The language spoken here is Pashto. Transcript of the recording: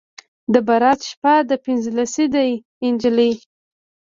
د براته شپه ده پنځلسی دی نجلۍ